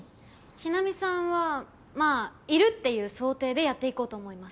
日菜美さんはまあいるっていう想定でやっていこうと思います。